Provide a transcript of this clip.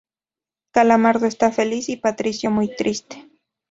Calamardo está feliz y Patricio muy triste.